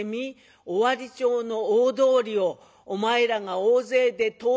尾張町の大通りをお前らが大勢で通ってみ。